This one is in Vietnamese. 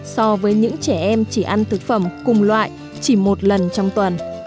so với những trẻ em chỉ ăn thực phẩm cùng loại chỉ một lần trong tuần